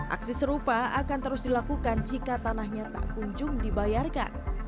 aksi serupa akan terus dilakukan jika tanahnya tak kunjung dibayarkan